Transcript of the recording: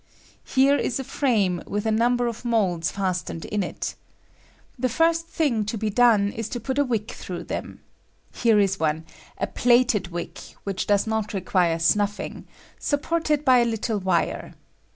Here is a frame, with a number of moiilda fastened in it. The first thing to be done is to put a wick through them. Here is one — a plaited wick, which does not require snuffing(^) — supported by a little wire.